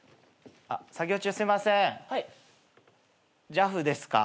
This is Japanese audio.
ＪＡＦですか？